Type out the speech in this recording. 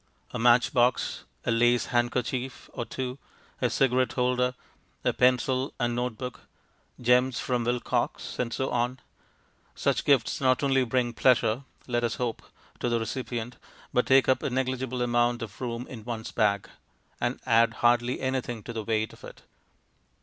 A match box, a lace handkerchief or two, a cigarette holder, a pencil and note book, Gems from Wilcox, and so on; such gifts not only bring pleasure (let us hope) to the recipient, but take up a negligible amount of room in one's bag, and add hardly anything to the weight of it.